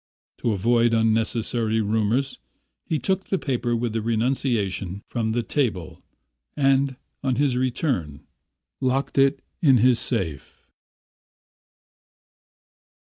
To avoid unnecessary rumours he took the paper with the renunciation from the table and, on his return, locked it in his safe.